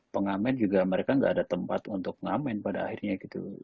pengamen juga mereka gak ada tempat untuk ngamen pada akhirnya gitu